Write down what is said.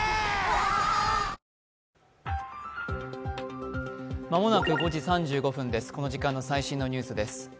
わぁこの時間の最新のニュースです。